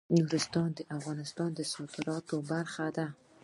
نورستان د افغانستان د صادراتو برخه ده.